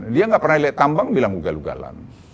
dia nggak pernah lihat tambang bilang ugal ugalan